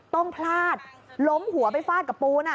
ต้องพลาดล้มหัวไปฟาดกับปูน